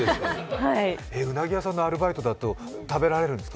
うなぎ屋さんのアルバイトだと、うなぎ食べられるんですか？